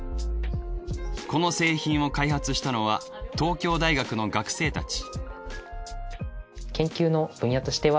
この製品を開発したのは東京大学の学生たち。